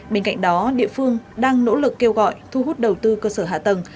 bên cạnh đó địa phương đang nỗ lực kêu gọi thu hút đầu tư cơ sở hạ tầng